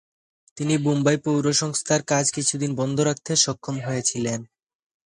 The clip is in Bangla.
তিনি বোম্বাই পৌরসংস্থার কাজ কিছুদিন বন্ধ রাখতে সক্ষম হয়েছিলেন।